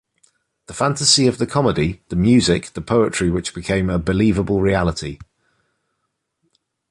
The fantasy of the comedy, the music, the poetry which become a believable reality.